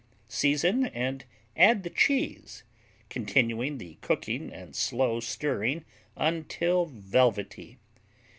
Season and add the cheese, continuing the cooking and slow stirring until velvety.